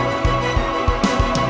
saya sama nino akan pergi